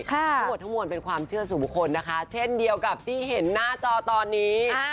ทั้งหมดทั้งมวลเป็นความเชื่อสู่บุคคลนะคะเช่นเดียวกับที่เห็นหน้าจอตอนนี้